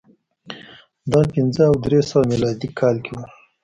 دا په پنځه او درې سوه میلادي کال کې و